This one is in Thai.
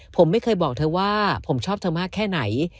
ผมไม่เคยบอกเธอว่าผมชอบเธอมากแค่ไหน